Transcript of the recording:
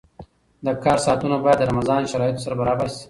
د کار ساعتونه باید د رمضان شرایطو سره برابر شي.